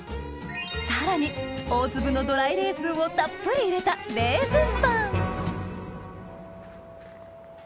さらに大粒のドライレーズンをたっぷり入れた熱い熱い！